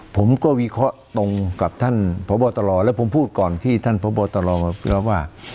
ผมก็วิเคราะห์ตรงกับท่านพบตรแล้วผมพูดก่อนที่ท่านพบตรแล้วว่า